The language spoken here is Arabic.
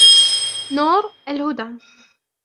نور الهدى